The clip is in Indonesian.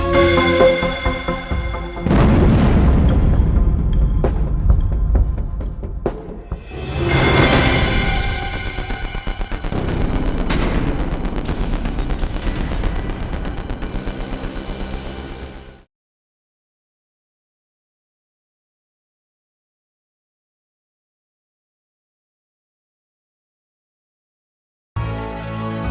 baik teh reno